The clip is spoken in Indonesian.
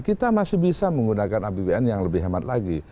kita masih bisa menggunakan apbn yang lebih hemat lagi